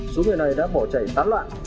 số người này đã bỏ chạy tán loạn